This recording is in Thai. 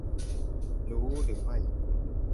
รู้หรือไม่ !